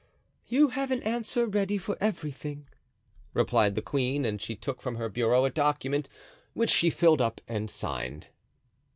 "You have an answer ready for everything," replied the queen, and she took from her bureau a document, which she filled up and signed.